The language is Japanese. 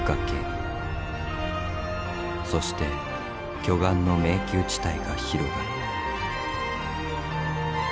そして巨岩の迷宮地帯が広がる。